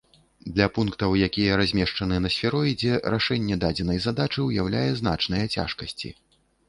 Для пунктаў, якія размешчаны на сфероідзе, рашэнне дадзенай задачы ўяўляе значныя цяжкасці.